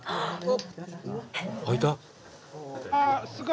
開いた？